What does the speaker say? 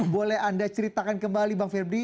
boleh anda ceritakan kembali bang febri